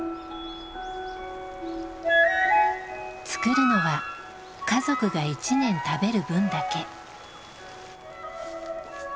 作るのは家族が一年食べる分だけ。